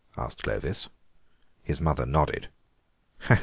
asked Clovis His mother nodded.